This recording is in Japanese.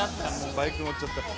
バイク乗っちゃったから。